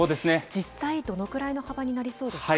実際どのくらいの幅になりそうですか？